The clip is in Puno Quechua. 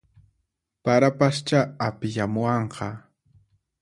Parapaschá apiyamuwanqa